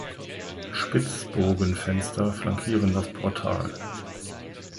Spitzbogenfenster flankieren das Portal.